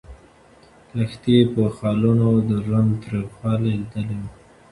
لښتې په خالونو د ژوند تریخوالی لیدلی و.